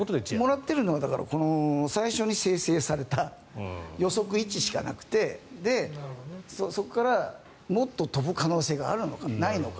もらっているのは最初に生成された予測位置しかなくてで、そこからもっと飛ぶ可能性があるのかないのか。